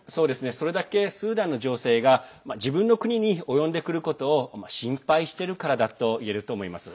それだけスーダンの情勢が自分の国に及んでくることを心配しているからだと思います。